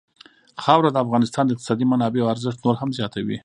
خاوره د افغانستان د اقتصادي منابعو ارزښت نور هم زیاتوي.